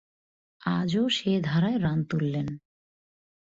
আজও সে ধারায় রান তুললেন।